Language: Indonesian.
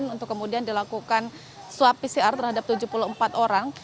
untuk kemudian dilakukan swab pcr terhadap tujuh puluh empat orang